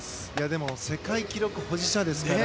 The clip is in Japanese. でも元世界記録保持者ですから。